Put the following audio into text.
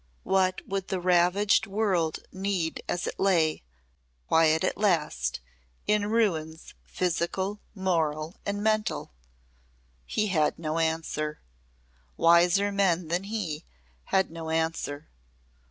What would the ravaged world need as it lay quiet at last in ruins physical, moral and mental? He had no answer. Wiser men than he had no answer.